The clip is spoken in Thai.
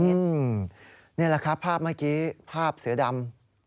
นี่แหละครับภาพเมื่อกี้ภาพเสือดำ